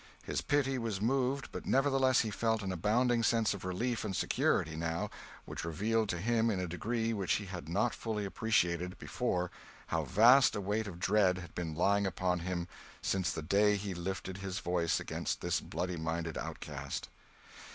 His pity was moved, but nevertheless he felt an abounding sense of relief and security, now, which revealed to him in a degree which he had not fully appreciated before how vast a weight of dread had been lying upon him since the day he lifted his voice against this bloody minded outcast.